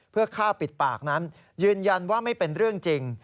เพื่อฆ่าปิดปากนั้นยืนยันว่าไม่เป็นเรื่องจริง